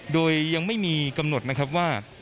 โดยยังไม่มีกำหนดนะครับว่า